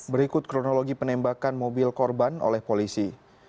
berikut kronologi penembakan mobil korban oleh polisi